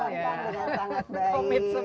dijalankan dengan sangat baik